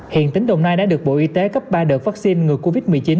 hiện tỉnh đồng nai đã được bộ y tế cấp ba đợt vaccine ngừa covid một mươi chín